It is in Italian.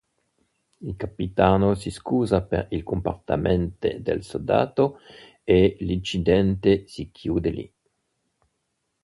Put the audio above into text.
Il capitano si scusa per il comportamento del soldato, e l'incidente si chiude lì.